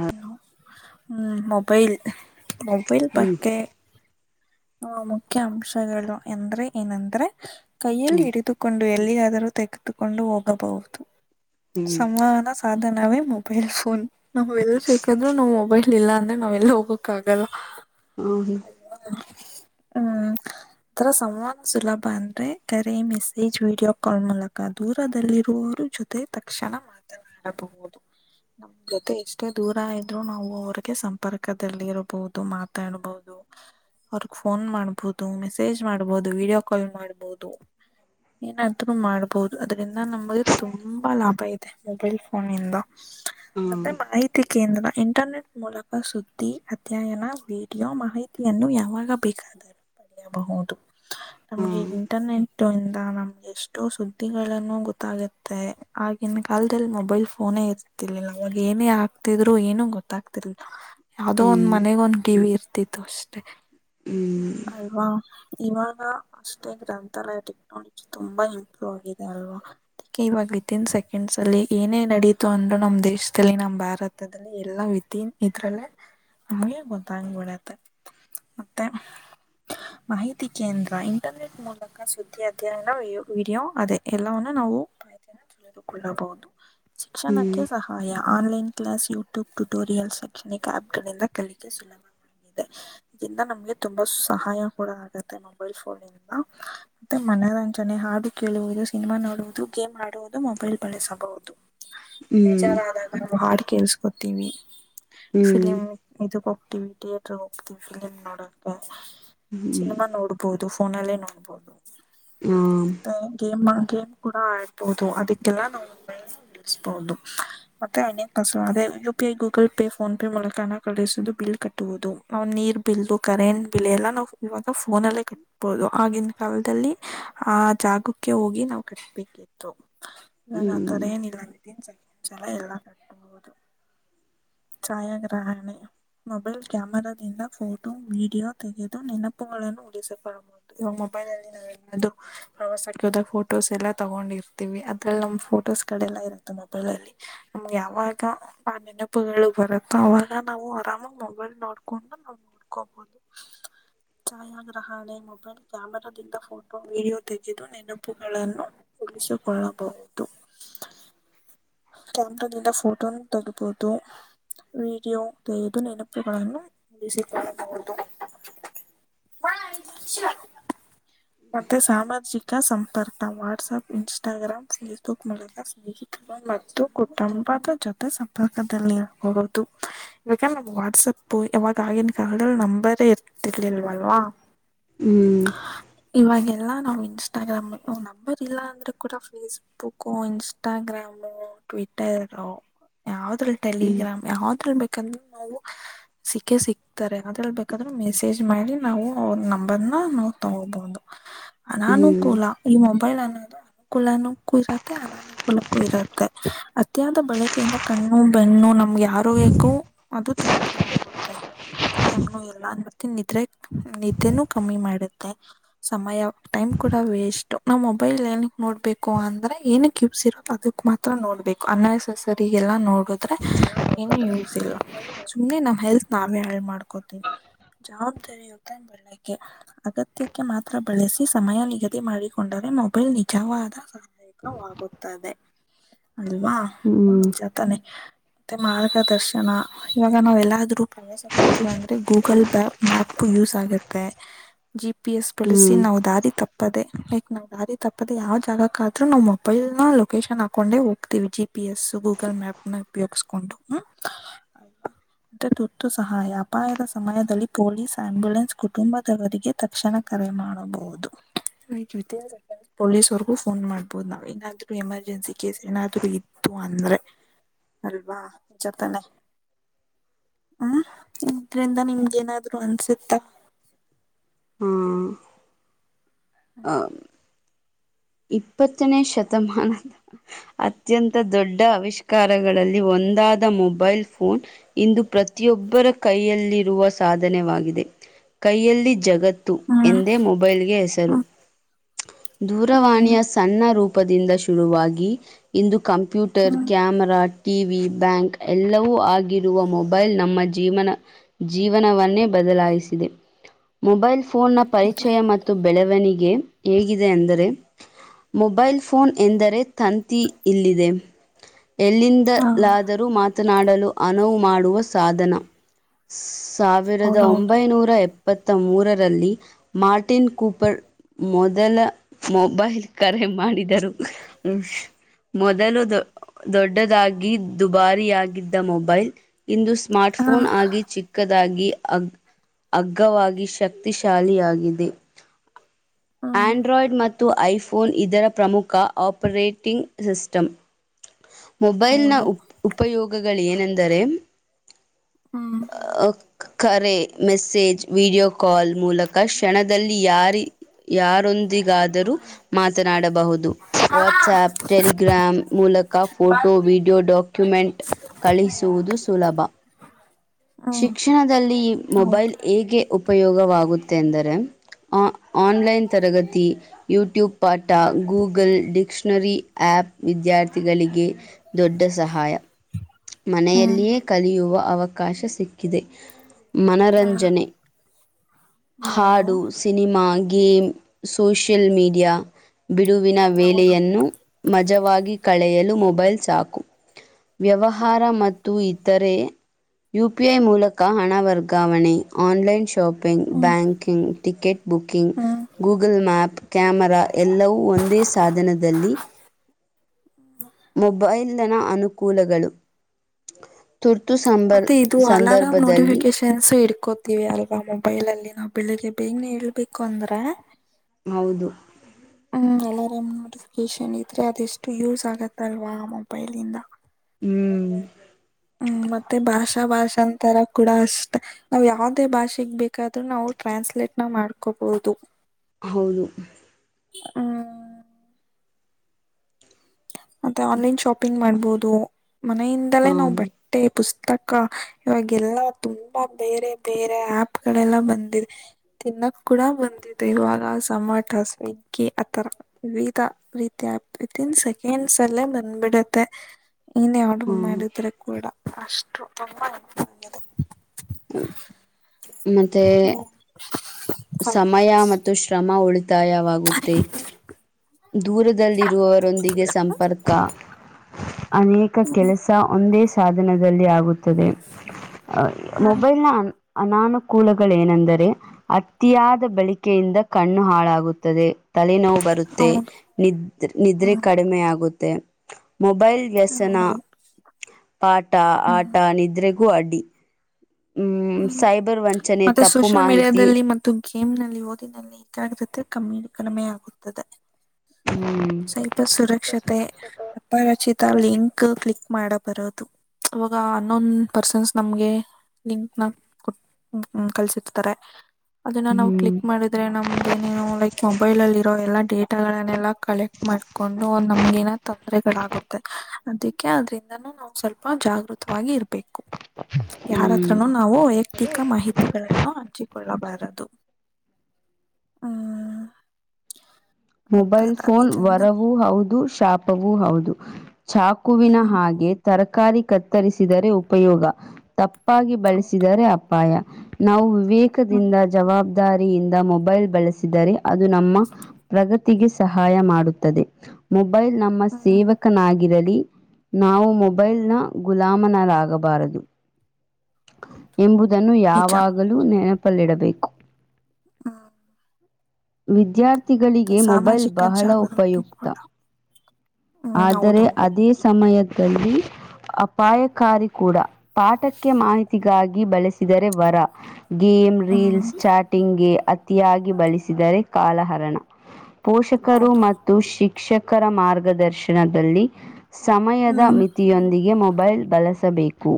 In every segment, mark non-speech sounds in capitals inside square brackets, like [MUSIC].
ಹಾ ಹುಂ mobile mobile ಹ್ಮ್ ಬಗ್ಗೆ ಹಾ ಮುಖ್ಯ ಅಂಶಗಳು ಎಂದ್ರೆ ಏನಂದ್ರೆ ಕೈಯಲ್ಲಿ ಹ್ಮ್ ಹಿಡಿದು ಕೊಂಡು ಎಲ್ಲಿಯಾದರೂ ತೆಗೆದುಕೊಂಡು ಹೋಗಬಹುದು ಹ್ಮ್ ಸಂವಹನ ಸಾಧನವೇ ಮೊಬೈಲ್ ಫೋನ್. ನಾವು ಎಲ್ಲಿ ಸಿಕಿದ್ರು ನಾವ್ ಮೊಬೈಲ್ ಇಲ್ಲ ಅಂದ್ರೆ ನಾವ್ ಎಲ್ಲ ಹೋಗಕ್ ಆಗಲ್ಲ. ಹಹ ಹ [UNINTELLIGIBLE] [INAUDIBLE] ಥರ ಸಮನ್ ಸುಲಭ ಅಂದ್ರೆ ಕರೆ ಮೆಸೇಜ್ ವೀಡಿಯೋ ಕಾಲ್ ಮೂಲಕ ಕ ದೂರದಲ್ಲಿರುವವರು ಜೊತೆ ತಕ್ಷಣ ಮಾತನಾಡಬಹುದು. ನಮ್ ಜೊತೆ ಎಷ್ಟೇ ದೂರ ಇದ್ರು ನಾವು ಅವ್ರಿಗೆ ಸಂಪರ್ಕದಲ್ಲಿರಬಹುದು ಮಾತಾಡಬಹುದು. ಅವ್ರಗ್ ಫೋನ್ ಮಾಡ್ಬಹುದು, ಮೆಸೇಜ್ ಮಾಡ್ಬಹುದು, ವಿಡಿಯೋ ಕಾಲ್ ಮಾಡ್ಬೋದು. ಏನಾದ್ರೂ ಮಾಡಬಹುದು ಅದರಿಂದ ನಮಗೆ ತುಂಬಾ ಲಾಭ ಇದೆ. ಮೊಬೈಲ್ ಫೋನಿಂದ. ಹ ಮತ್ತೆ ಮಾಹಿತಿ ಕೇಂದ್ರ ಇಂಟರ್ನೆಟ್ ಮೂಲಕ ಸುದ್ದಿ ಅಧ್ಯಯನ ವಿಡಿಯೋ ಮಾಹಿತಿಯನ್ನು ಯಾವ ವಾಗ ಬೇಕಾದೂ ಪಡೆಯಬಹುದು ನಮ್ಗೆ ಹ್ಮ್ ಹ್ಮ್ ಇಂಟರ್ನೆಟ್ ಇಂದ ನಮ್ ಎಷ್ಟೋ ಸುದ್ದಿಗಳನ್ನು ಗೊತ್ತಾಗುತ್ತೆ, ಆಗಿನ ಕಾಲದಲ್ಲಿ ಮೊಬೈಲ್ ಫೋನೇ ಇರ್ತ್ತೆ ತ್ತಿಲ್ಲ ಅವಾಗ ಏನೇ ಆಗ್ತಿದ್ರು ಏನು ಗೊತ್ತಾರ್ಲಿಲ್ಲ. ಹ ಯಾವ್ದೋ ಒಂದ್ ಮನೆಗ್ ಒಂದ್ ಟಿವಿ ಇರ್ತಿತ್ತು ಅಷ್ಟೇ. ಹ್ಮಞ ಅಲ್ವಾ ಇವಾಗ ಅಷ್ಟೇ ಗ್ರಂಥಾಲಯ ಟೆಕ್ನಾಲಜಿ ತುಂಬಾ ಇಂಪ್ರೂವ್ ಆಗಿದೆ ಅಲ್ವಾ. ಅದ್ಕೆ ಇವಾಗ ವಿತಿನ್ ಸೆಕೆಂಡ್ಸ್ ಅಲ್ಲಿ ಏನೇ ನಡೀತು ಅಂದ್ರು ನಮ್ ದೇಶದಲ್ಲಿ ನಮ್ಮ್ ಭಾರತದ ಎಲ್ಲಾ ವಿತಿನ್ ಇದ್ರಲ್ಲೇ ನಮಗೆ ಗೊತ್ತಾಗ್ ಬಿಡತ್ತೆ. [UNINTELLIGIBLE] ಮಾಹಿತಿ ಕೇಂದ್ರ ಇಂಟರ್ನೆಟ್ ಮೂಲಕ ಸುದ್ದಿ ಅಧ್ಯಯನ ವಿಡಿಯೋ ಅದೆ ಎಲ್ಲವನ್ನು ನಾವು ಉಪಾಯನ ತಿಳಿದುಕೊಳ್ಳಬಹುದು ಶಿಕ್ಷಣಕ್ಕೆ ಹ್ಮ್ ಸಹಾಯ. ಆನ್ಲೈನ್ ಕ್ಲಾಸ್ ಯೂಟ್ಯೂಬ್ ಟ್ಯುಟೋರಿಯಲ್ ಶೈಕ್ಷಣಿಕ ಆಪ್ ಗಳಿಂದ ಕಲಿಕೆ ಸುಲಭವಾಗಿದೆ ಇದಂದ ನಮ್ಗೆ ತುಂಬಾ ಸಹಾಯ ಕೂಡ ಆಗತ್ತೆ ಮೊಬೈಲ್ ಫೋನ್ ಇಲ್ವಾ ಮತ್ತೆ ಮನರಂಜನೆ ಹಾಡು ಕೇಳುವುದು ಸಿನಿಮಾ ನೋಡುವುದು ಗೇಮ್ ಆಡುವುದು ಮೊಬೈಲ್ ಬಳಸಬಹುದು. ಹ್ಮ್ ಬೇಜಾರ್ ಆದಾಗ ನಾವಾ ಹಾಡ ಕೇೇಳಸ್ಕೋತೀವಿ ಹ್ಮ್ ಹ ಹ್ಮ್ ಹ್ಮ್ ಹ್ಮ್ ಫಿಲಿಮ್ ಇದಕ್ ಹೋಗ್ತೀವಿ ಥಿಯೇಟರ್ ಹೋಗ್ತೀವಿ ಫಿಲಿಮ್ ನೋಡಕ [INAUDIBLE] ಸಿನಿಮಾ ನೋಡ್ ಬೋದು ಫೋನಲ್ಲೇ ನೋಡಬಹುದ ಹ್ಮ್ಮ್ ಮತ್ತೆ ಗೇಮ್ ಗೇಮ್ ಕೂಡ ಆಡ್ಬಹುದು ಅದಕ್ಕೆಲ್ಲಾ ನಾ ಮೊಬೈಲ್ ಬಳಸಬಹುದು ಮತ್ತೆ ಅದೆ ಕಸ ಅದೆ U P I Google Pay phone pay ಮೂಲಕ ಹಣ ಕಳಿಸುದು ಬಿಲ್ ಕಟ್ಟುವುದು ಅವ ನೀ ಬಿಲ್ ದು ಕರೆಂಟ್ ಬಿಲ್ ಎಲ್ಲನು ನಾವು ಇವಾಗ ಫೋನ್ ಅಲ್ಲೇ ಕಟ್ಟ ಬೋದು ಆಗಿನ ಕಾಲದಲ್ಲಿ ಆ ಜಾಗಕ್ಕೆ ಹೋಗಿ ನಾವ್ ಕಟ್ಬೇಕಿತ್ತು. ನನ್ ಆತರ ಏನಿಲ್ಲನ್ [UNINTELLIGIBLE] ಸೆಕೆಂಡ ಸಲ ಎಲ್ಲ ಕಟ್ದುಕೊ ಬಹುದ ಛಾಯಾಗ್ರಹಣೆ [INAUDIBLE] ಮೊಬೈಲ್ ಕ್ಯಾಮರಾದಿಂದ ಫೋಟೋ ವಿಡಿಯೋ ತೆಗೆದು ನೆನಪುಗಳನ್ನು ಉಳಿಸಕುದು ಇವಾಗ ಮೊಬೈಲ್ ಅಲ್ಲಿ ನಾವ ಪ್ರವಾಸಕ್ಕೆ ಹೋದಾಗ ಫೋಟೋಸ್ ಎಲ್ಲ ತಗೊಂಡಿರ್ತೀವಿ ಅದ್ರಲ್ಲಿ ನಮ್ ಫೋಟೋಸ್ಗಳೆಲ್ಲಾ ಇರುತ್ತೆ ಮೊಬೈಲ್ ಅಲ್ಲಿ [UNINTELLIGIBLE] ನಮ್ಗೆ ಆವಾಗ ಆ ನೆನಪುಗಳು ಬರುತ್ತ ಅವಾಗ ನಾವು ಆರಾಮಾಗ ಮೊಬೈಲ್ ನೋಡ್ಕೊಂಡು ನೋಡ ಕಪ್ಪೂತ ಛಾಯಾಗ್ರಹಣೆ ಮೊಬೈಲ್ ಕ್ಯಾಮೆರಾದಿಂದ ಫೋಟೋ ವಿಡಿಯೋ ತೆಗೆದು ನೆನಪುಗಳನ್ನು ಉಳಿಸಿಕೊಳ್ಳಬಹುದು. ಕ್ಯಾಮ್ರಾದಿಂದ ಫೋಟೋನು ತೆಗಬಹುದು. ವೀಡಿಯೋ [UNINTELLIGIBLE] ನೆನಪುಗಳನ್ನು ಬಿಸಿುದುಕೊಳ್ಳಬಹುದು [INAUDIBLE] [UNINTELLIGIBLE] ವೈ ಮತ್ತೆ ಸಾಮಾಜಿಕ ಸಂಪರ್ಕ ವಾಟ್ಸಪ್ ಇನ್ಸ್ಟಾಗ್ರಾಮ್ ಫೇಸ್ಬುಕ್ ಮೆಲ್ಲ ಸ್ನಗೀಕರಣ ಮತ್ತು ಕುಟುಂಬದ ಜೊತೆ ಸಂಪರ್ಕದಲ್ಲಿ ಇರಬಹುದ. ಇವಾಗ ನಮ್ ವಾಟ್ಸಪ್ ಯಾವಾಗ ಆಗಿನ ಕಾಲದಲ್ಲಿ ನಂಬರೇ ಇರ್ತಿರಲಿಲ್ಲ ಅಲ್ವಾ ಹ್ಮ್ ಇವಾಗೆಲ್ಲಾ ನಾವ್ ಇನ್ಸ್ಟಾಗ್ರಾಮ ನಂಬರ್ ಇಲ್ಲ ಅಂದ್ರೆ ಕೂಡ ಫೇಸ್ಬುಕ್ ಕೊ ಇನ್ಸ್ಟಾಗ್ರಾಮು. ವಿಟ್ಟಯರ್ ಯಾವ್ದ್ರಲ್ ಟೆಲಿಗ್ರಾಮ್ ಯಾವ್ದ್ರಲ್ ಬೇಕಂದ್ರ ನಾವು ಸಿಕ್ಕೇ ಸಿಕ್ತಾರೆ ಅದ್ರಲ್ಲಿ ಬೇಕಾದ್ರೆ ಮೆಸೇಜ್ ಮಾಡಿ ನಾವು ಅವ್ರ ನಂಬರನಾ ನಾವು ತಗೋಬಹುದು. [INAUDIBLE] ಹ್ಮ್ ಅನಾನುಕೂಲ ಈ ಮೊಬೈಲ್ ಅನ್ನೋದು ಅನುಕೂಲನಕ್ಕೂ ಇರುತ್ತೆ ಅನನಾನುಕೂಲಕ್ಕೂ ಇರುತ್ತೆ. ಅತಿಯಾದ ಬಳಕೆಯಿಂದ ಕಣ್ಣು ಬೆನ್ನು ನಮ್ಗೆ ಯಾರೋಗ್ಯಕ್ಕೂ ಅದು ತೊಂದ್ರರೆ ಆಗುತ್ತೆ. ಕಣ್ಣು ಎಲ್ಲ ಮತ್ತೆ ನಿದ್ರೆ ನಿದ್ದೆನೂ ಕಮ್ಮಿ ಮಾಡುತ್ತೆ. ಸಮಯ ಟೈಮ್ ಕೂಡ ವೇಸ್ಟ ನಾವ್ ಮೊಬೈಲ್ ಏನ ನೋಡ್ಬೇಕು ಅಂದ್ರೆ ಏನ ಯೂಸ ಇರತ್ತ ಅದಕ್ ಮಾತ್ರ ನೋಡ್ಬೇಕು ಅನ್ನಸಸರಿ ಎಲ್ಲ ನೋಡುದ್ರೆ ಏನು ಯೂಸ್ ಇಲ್ಲ ಸುಮ್ಮ್ನೆ ನಮ್ ಹೆಲ್ತ್ ನಾವೇ ಹಳ್ ಮಾಡ್ಕೋತೀವಿ [INAUDIBLE] ಜವಾಬ್ದಾರಿಯತ್ತೆ ಬೆಳ್ಳಗ್ಗೆ ಅಗತ್ಯಕ್ಕೆ ಮಾತ್ರ ಬೆಳಸಿ ಸಮಯ ನಿಗದಿ ಮಾಡಿಕೊಂಡರೆ ಮೊಬೈಲ್ ನಿಜವಾದ ನೋವುವಾಗುತ್ತದೆ ಅಲ್ವಾ? ಹ್ಮ್ [UNINTELLIGIBLE] ಮತ್ತೆ ಮಾರ್ಗದರ್ಶನ ಇವಾಗ ನಾವ ಎಲ್ಲಾದ್ರೂ ಪ್ರವೇಶ ಇಲ್ಲಾ ಅಂದ್ರೆ ಗೂಗಲ ಬ್ಯಾ ಮ್ಯಾಪ್ ಯೂಸ್ ಆಗುತ್ತೆ. ಜಿ ಪಿ ಎಸ್ ಬಳಸಿ ಹ್ಮ್ ನಾವು ದಾರಿ ತಪ್ಪದೆ ಲೈಕ್ ನಾವು ದಾರಿ ತಪ್ಪದೆ ಯಾವ ಜಾಗಕ್ಕ ಆದ್ರೂ ನಾವು ಮು ಇಲ್ಲಾ ಲೊಕೇಶನ್ ಹಾಕ್ ಹಾಕೊಂಡೆ ಹೋಗ್ತೀವಿ G P S Google map ನ ಉಪಯೋಗಿಸಕೊಂಡು ಹ ತುರ್ತು ಸಹಾಯ ಅಪಾಯದ ಸಮಯದಲ್ಲಿ ಪೊಲೀಸ್ ಆಂಬ್ಯುಲೆನ್ಸ್ ಕುಟುಂಬದವರಿಗೆ ತಕ್ಷಣ ಕರೆ ಮಾಡಬಹುದು ಜ್ವತ ಪೊಲೀಸ್ವರೆಗ ಫೋನ್ ಮಾಡ್ಬಹದು ನಾವ್ ಏನಾದ್ರು ಎಮರ್ಜೆನ್ಸಿ ಕೇಸ್ ಏನಾದ್ರು ಇತ್ತು ಅಂದ್ರೆ ಅಲ್ವಾ ನಿಜತಾನೆ ಹ್ಮ್ ಇದ್ರಿಂದ ನಿಮಗ ಏನಾದ್ರು ಅನ್ಸುತ್ತ ಹ್ಮ ಆಂ ಇಪ್ಪತ್ತನೇ ಶತಮಾನದ ಅತ್ಯಂತ ದೊಡ್ಡ ಆವಿಷ್ಕಾರಗಳಲ್ಲಿ ಒಂದಾದ ಮೊಬೈಲ್ ಫೋನ್ ಇಂದು ಪ್ರತಿಯೊಬ್ಬರ ಕೈಯಲ್ಲಿರುವ ಸಾಧನೆವಾಗಿದೆ ಕೈಯಲ್ಲಿ ಜಗತ್ ಹ್ಮ್ ಎಂದೇ ಮೊಬೈಲ್ಗೆ ಹೆಸರು ಹ್ಮ್ ದೂರವಾಣಿಯ ಹ್ಮ್ ಸಣ್ಣ ರೂಪದಿಂದ ಶುರುವಾಗಿ ಇಂದು ಕಂಪ್ಯೂಟರ್ ಹ್ಮ್ ಕ್ಯಾಮರಾ ಟಿ ವಿ ಬ್ಯಾಂಕ್ ಎಲ್ಲವೂ ಆಗಿರುವ ಮೊಬೈಲ್ ನಮ್ಮ ಜೀವನ ಜೀವನವನ್ನೇ ಬದಲಾಯಿಸಿದೆ ಮೊಬೈಲ್ ಫೋನ್ನ ಹೌದು ಪರಿಚಯ ಮತ್ತು ಬೆಳವಣಿಗೆ ಹೇಗಿದೆ ಅಂದರೆ ಮೊಬೈಲ್ ಫೋನ್ ಎಂದರೆ ತಂತಿ ಇಲ್ಲಿದೆ ಹಾ ಎಲ್ಲಿಂದಲಾದರೂ ಮಾತನಾಡಲು ಅನುವು ಮಾಡುವ ಸಾಧನ ಸ್ ಸಾವಿರದ ಹೌದೌದು ಒಂಬೈನೂರ ಎ ಪ್ಪತ್ತ ಮೂರರಲ್ಲಿ ಮಾರ್ಟಿನ್ ಕೂಪರ್ ಮೊದಲ ಮೊಬೈಲ್ ಕರೆ ಮಾಡಿದರು ಮೊದಲು ದ ದೊಡ್ಡದಾಗಿ ದುಬಾರಿಯಾಗಿದ್ದ ಮೊಬೈಲ್ ಇಂದು ಹಾ ಸ್ಮಾರ್ಟ್ಫೋನ್ ಆಗಿ ಚಿಕ್ಕದಾಗಿ ಅ ಅಗ್ಗವಾಗಿ ಶಕ್ತಿಶಾಲಿಯಾಗಿದೆ ಹ್ಮ್ ಆಂಡ್ರಾಯ್ಡ್ ಮತ್ತು ಫೋನ್ ಇದರ ಪ್ರಮುಖ ಆಪರೇಟಿಂಗ್ ಸಿಸ್ಟಮ್ ಮೊಬೈಲನ ಹೌದು ಉಪ್ ಉಪಯೋಗಗಳು ಏನೆಂದರೆ ಹ್ಮ್ ಅ ಕರೆ ಮೆಸೇಜ್ ವಿಡಿಯೋ ಕಾಲ್ ಮೂಲಕ ಕ್ಷಣದಲ್ಲಿ ಯಾರಿ ಯಾರೊಂದಿಗಾದರೂ ಮಾತನಾಡಬಹುದು ವಾಟ್ಸಆಪ್ ಟೆಲಿಗ್ರಾಾಮ್ ಮೂಲಕ ಫೋಟೋ ವಿಡಿಯೋ ಡಾಕ್ ಕ್ಯುಮೆಂಟ್ ಕಳಿಸುವುದು ಸುಲಭ ಹ್ಮ್ ಶಿಕ್ಷಣದಲ್ಲಿ ಈ ಮೊಬೈಲ್ ಹೌದು ಹೇಗೆ ಉಪಯೋಗವಾಗುತ್ತೆಂದರೆ ಆ ಆನ್ಲೈನ್ ತರಗತಿ ಯೂಟ್ಯೂಬ್ ಪಾಠ ಗೂಗಲ್ ಡಿಕ್ಷನರಿ ಆ್ಯಪ್ ವಿದ್ಯಾರ್ಥಿಗಳಿಗೆ ದೊಡ್ಡ ಸಹಾಯ ಹ್ಮ್ ಮನೆಯಲ್ಲಿಯೇ ಕಲಿಯುವ ಅವಕಾಶ ಸಿಕ್ಕಿದೆ ಹಾ ಮನರಂಜನೆ ಹೌದು ಹಾಡು ಸಿನಿಮಾ ಗೇಮ್ ಸೋಷಿಯಲ್ ಮೀಡಿಯಾ ಬಿಡುವಿನ ಹೌದು ವೇಲೆಯನ್ನು ಮಜವಾಗಿ ಕಳೆಯಲು ಮೊಬೈಲ್ ಸಾಕು ಹ್ಮ್ ವ್ಯವಹಾರ ಮತ್ತು ದರೆ ಯ ಪಿ ಐ ಮೂಲಕ ಹಣ ವರ್ಗಾವಣೆ ಆನ್ಲೈನ್ ಶಾಪ್ ಪಿಂಗ್ ಹ್ಮ್ ಬ್ಯಾಂಕಿಂಗ್ ಟಿಕೆಟ್ ಬುಕಿಂಗ್ ಹ್ಮ್ ಗೂಗಲ್ ಮ್ಯಾಪ್ ಕ್ಯಾಮರಾ ಎಲ್ಲವೂ ಒಂದೇ ಸಾಧನದಲ್ಲಿ ಮೊಬೈಲ್ನ ಅನುಕೂಲಗಳು ತುರ್ತು ಸಂದರ್ ದು ಅಲಾರಾಂ ನೋಟಿಫಿಕೇಶ ಟ್ರೆಂಡಸ ಇಡ್ಕೋತಿವಿ ಅಲ್ವಾ ಮೊಬೈಲ ಅಲ್ಲಿ ನಾವು ಬೆಳಿಗ್ಗೆ ಬೇಗನೆ ಏಳ್ಬೇಕು ಅಂದ್ರೆ ಹೌದು ಹ್ಮ್ ಅಲರಾಮ್ ನೋಡ ಷನ್ ಇದ್ರೆ ಅದೆಷ್ಟು ಯೂಸ್ ಆಗತ್ತಲ್ವಾ ಮೊಬೈಲ್ ಇಂದ ಹ್ಮ್ ಹ್ಮ್ ಮತ್ತೆ ಭಾಷಾ ಭಾಷಾ ಅಂತರ ಕೂಡ ಅಷ್ಟೆ ನಾವ್ ಯಾವದೇ ಭಾಷೆಗ್ ಬೇಕಾದ್ರೂ ನಾವು ಟ್ರಾನ್ಸ್ಲೇಟ್ ನ ಮಾಡ್ಕೋಬಹುದು ಹೌದು ಹ ಮತ್ತೆ ಆನ್ಲೈನ್ ಶಾಪಿಂಗ್ ಮಾಡ್ಬೋದು ಮನೆಯಿಂದಲೇ ನಾವ್ ಬಟ್ ಮ ಪುಸ್ತಕ ಇವಾಗ ಎಲ್ಲಾ ತುಂಬಾ ಬೇರೆ ಬೇರೆ ಪ್ ಕಡೆ ಎಲ್ಲ ಬಂದಿದೆ ತಿನ್ನಕ್ ಕೂಡ ಬಂದಿದೆ ಇವಾಗ ಜಮಾಟ ಸ್ವಿಗ್ಗಿ ಆತರ ವಿ ರೀತಿ ಆನ್ೆ [UNINTELLIGIBLE] ನಿಮಿಷ ಅಲ್ಲೇ ಬಂದ್ಬಿಡತ್ತೆ ಏನೇ ಆರ್ಡರ್ ಮಾಡಿದ್ರೆ ಕೂಡ ಅಷ್ಟು ತುಂಬಾ ನೆಗಿದೆ ಮತ್ತೆ [INAUDIBLE] ಸಮಯ ಮಿನಿಟ್ಸ್ ಮತ್ತು ಶ್ರಮ ಉಳಿತಾಯವಾಗುತ್ತೆ ದೂರದಲ್ಲಿರುವವರೊಂದಿಗೆ ಸಂಪರ್ಕ ಅನೇಕ ಹ್ಮ್ ಕೆಲಸ ಒಂದೇ ಸಾಧನದಲ್ಲಿ ಆಗುತ್ತದೆ ಹ್ಮ್ ಮೊಬೈಲ್ ನಾ ಅನಾನುಕೂಲಗಳೇಏನೆಂದರೆ ಅ ಅತಿಯಾದ ಬಳಿಕೆಯಿಂದ ಕಣ್ಣು ಹಾಳಾಗುತ್ತದೆ ತಲೆನೋವು ಬರುತ್ತೆ ಹೌದು ನಿದ್ರ ನಿದ್ರೆ ಹ್ಮ್ ಕಡಿಮೆ ಆಗುತ್ತೆ ಮೊಬೈಲ್ ವ್ಯಸನ ಹೌದೌದು ಪಾಟ ಹ್ಮ್ ಆಟ ನಿದ್ರೆಗೂ ಅಡ್ಡಿ ಹ್ಮ್ ಸೈಬರ್ ವಂಚನೆ ಮತ್ತೆ ತಪ್ಪು ಸೋಷಿಯಲ್ ಮಾಹಿತಿ ಮೀಡಿಯಾದಲ್ಲಿ ಮತ್ತ ಗೇಮ್ ನಲ್ಲಿ ಓದಿನಲ್ಲಿ ಕಾಗ್ರತೆ ಕಮ್ಮಿ ಕಡಿಮೆ ಆಗುತ್ತದೆ ಹ್ಮ್ ಸೈಬರ್ ಸುರಕ್ಷತೆ ಅಪರಚಿತ ಲಿಂಕ್ ಕ್ಲಿಕ್ ಮಾಡ ಬರದು ಅವವಾಗ ಅನ್ನೋನ್ ಪರ್ಸನ್ಸ್ ನಮ್ಗೆ ಲಿಂಕ್ ನ ಕಲ್ಸರ್ತಾರೆ ಅದನ್ನ ನಾವು ಹ್ಮ್ ಕ್ಲಿಕ್ ಮಾಡಿದ ಆದ್ರೆ ನಮ್ದ ಏನೇನು ಲೈಕ್ ಮೊಬೈಲ್ ಅಲ್ಲಿ ಇರೋ ಎಲ್ಲಾ ಡೇಟಾಗಳನ್ನೆಲ್ಲಾ ಕಲೆಕ್ಟ್ ಮಾಡ್ಕೊಂಡು ನಮ್ಗೇನ ತೊಂದರೆ ತೊಂದರೆಗಳಾಗುತ್ತೆ ಅದಕ್ಕೆ ಅದ್ರಿಂದನೂ ನಾವು ಸ್ವಲ್ಪ ಜಾಗೃತವಾಗಿ ಇರ್ಬೇಕು ಹ್ಮ್ ಯಾರತ್ರನು ನಾವು ವೈಯಕ್ತಿಕ ಮಾಹಿತಿಗಳನ್ನು ಹಂಚಿಕೊಳ್ಳಬಾರದು ಹ್ಮ ಮೊಬೈಲ್ ಫೋನ್ ವರವೂ ಹೌದು ಶಾಪವೂ ಹೌದು ಚಾಕುವಿನ ಹ್ಮ್ ಹಾಗೆ ತರಕಾರಿ ಕತ್ತರಿಸಿದರೆ ಉಪಯೋಗ ತಪ್ಪ ತಾಪ್ಪಾಗಿ ಹೌದು ಬಳಸಿದರೆ ಅಪ್ಪಾಯ ನಾವು ಹ್ಮ್ ವಿವೇಕದಿಂದ ಜವಾಬ್ದ ದಾರಿಯಿಂದ ಮೊಬೈಲ್ ಬಳಸಿದರೆ ಅದು ನಮ್ಮ ಪ್ರಗತಿಗೆ ಸಹಾಯ ಮಾಡುತ್ತದೆ ಮೊಬೈಲ್ ನಮ್ಮ ಹ್ಮ್ ಸೇವಕನಾಗಿರಲಿ ನಾವು ಮೊಬೈಲನ ಗುಲಾಮನಾದಾಗಬಾರದು ಎಂಬುದನ್ನು ನಿಜ ಯಾವಾಗಲೂ ನೆನಪಲ್ಲಿಡಬೇಕು ಹ್ಮ ವಿದ್ಯಾರ್ಥಿಗಳಿಗೆ ಮೊಬೈಲ್ ಸಾಮಾಜಿಕ ಬಹಳ ಜಾಗೃತಿ ಉಪಯುಕ್ತ ಕೂಡ ಹ್ಮ್ ಆದರೆ ಹೌದೌದು ಅದೇ ಸಮಯದಲ್ಲಿ ಅಪಾಯಕಾರಿ ಕೂಡ ಪಾಠಕ್ಕೆ ಮಾಹಿತಿಗಾಗಿ ಬಳಸಿದರೆ ವರ ಗೇಮ್ ಹ್ಮ್ ರೀಲ್ಸ್ ಚಾಟಿಂಗ್ಗೆ ಅತಿಯಾಗಿ ಬಳಸಿದರೆ ಕಾಲಹರಣ. ಪೋಷಕರು ಹೌದು ಮತ್ತು ಶಿಕ್ಷಕರ ಮಾರ್ಗದರ್ಶನದಲ್ಲಿ ಸಮಯದ ಹ್ಮ್ ಮ ವಿಯೊಂದಿಗೆ ಮೊಬೈಲ್ ಬಳಸಬೇಕು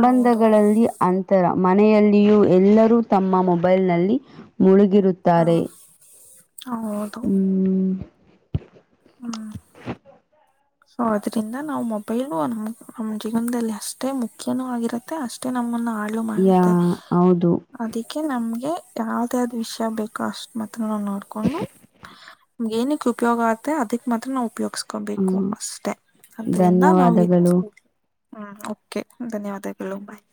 ಹೌದು ಅಂತರ ಮನೆಯಲ್ಲಿಯೂ ಎಲ್ಲರೂ ತಮ್ಮ ಮೊಬೈಲ್ನಲ್ಲಿ ಮುಳುಗಿರುತ್ತ್ ತಾರೆ ಹ್ಮ್ ಹೌದು ಹ್ಮ್ ಹ್ಮ್ [INAUDIBLE] ಸೊ ಅದ್ರಿಂದ ನಾವು ಮೊಬೈಲು ನಮ ನಮ್ ಜೀವನದಲ್ಲಿ ಅಷ್ಟೇ ಮುಖ್ಯನೂ ಆಗಿರುತ್ತೆ ಅಷ್ಟೇ ನಮ್ಮನ್ನು ಹಾಳ್ ಳು ಯಾ ಮಾಡುತ್ತೆ ಹೌದು ಅದಕ್ಕೆ ನಮ್ಗೆ ಯಾವ್ದ್ ಯಾವ್ದ್ ವಿಷಯ ಬೇಕು ಅಷ್ಟ ಮತ್ತ್ ತ್ರ ನೋಡ್ಕೊಂಡು ನಿಮ್ಗೆ ಏನಕ್ ಉಪಯೋಗ ಆತ್ತೆ ಅದಕ್ ಮಾತ್ರ ನಾವು ಉಪಯೋಗಸ್ಕೊಬೇಕು. ಅಷ್ಟೆ ಅದ್ರಿಂದ ನಾವು ಇ ಧನ್ಯವಾದಗಳು ಹ್ಮ ಕೆ ಧನ್ಯವಾದಗಳು ಬಾಯ್.